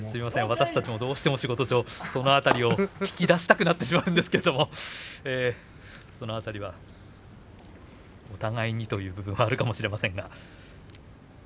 私たちの仕事上、その辺りを引き出したくなってしまうんですけれどもその辺りはお互いにという部分もあるかもしれません。